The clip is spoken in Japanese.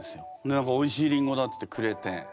何かおいしいりんごだっていってくれて。